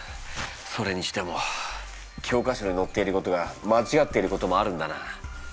それにしても教科書にのっていることがまちがっていることもあるんだな。